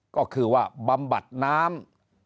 ก็คือว่าบำบัดน้ำ